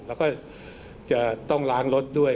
แล้วก็จะต้องล้างรถด้วย